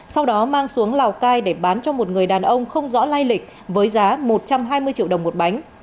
sau đó mang xuống lào cai để bán cho một người đàn ông không rõ lai lịch với giá một trăm hai mươi triệu đồng một bánh